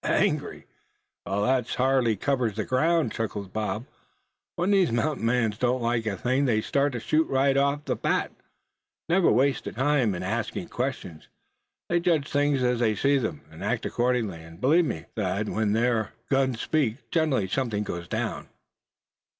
"Angry well, that hardly covers the ground," chuckled Bob. "When these mountain men don't like a thing they start to shooting right off the handle. Never waste time, suh, in asking questions; they judge things as they see them, and act accordingly. And believe me, Thad, when their guns speak, generally something goes down."